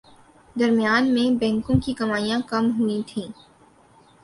درمیان میں بینکوں کی کمائیاں کم ہوئیں تھیں